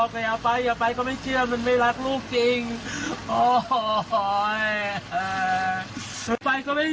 เราทะเลาะกันปีกันทะเลาะกันบ่อยกับคนนี้